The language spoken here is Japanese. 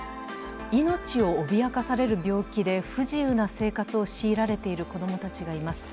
命を脅かされる病気で不自由な生活を強いられている子供たちがいます。